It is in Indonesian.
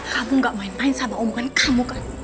kamu gak main main sama omongan kamu kan